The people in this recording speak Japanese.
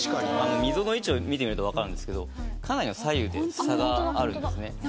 溝の位置を見てみるとわかるんですけどかなり左右で差があるんですね。